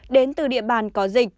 đến từ địa bàn có dịch